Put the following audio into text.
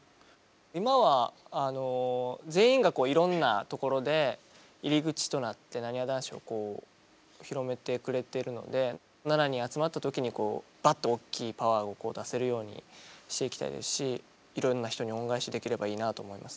今はあの全員がいろんなところで入り口となってなにわ男子をこう広めてくれてるので７人集まった時にバッと大きいパワーを出せるようにしていきたいですしいろんな人に恩返しできればいいなと思いますね。